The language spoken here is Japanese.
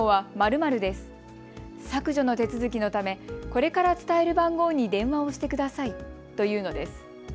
削除の手続きのためこれから伝える番号に電話をしてくださいというのです。